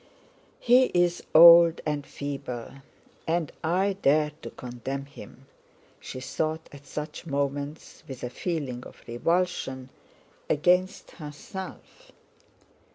"He is old and feeble, and I dare to condemn him!" she thought at such moments, with a feeling of revulsion against herself.